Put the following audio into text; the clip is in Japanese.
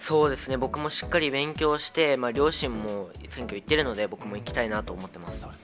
僕もしっかり勉強して、両親も選挙行っているので、僕も行きたいなと思ってます。